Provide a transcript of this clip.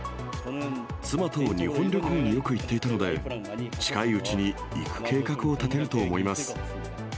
妻と日本旅行によく行っていたので、近いうちに行く計画を立てると思います。